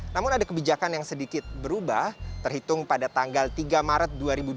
namun ada kebijakan yang sedikit berubah terhitung pada tanggal tiga maret dua ribu dua puluh